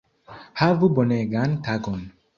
Havu bonegan tagon